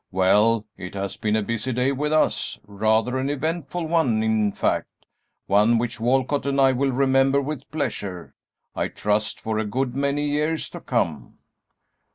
Well, it has been a busy day with us; rather an eventful one, in fact; one which Walcott and I will remember with pleasure, I trust, for a good many years to come."